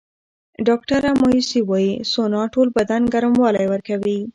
ډاکټره ماسي وايي، سونا ټول بدن ګرموالی ورکوي.